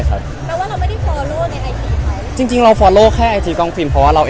คนก็มองว่าพี่เขาสื่อถึงเรา